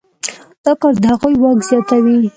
دا کار د هغوی واک زیاتوي.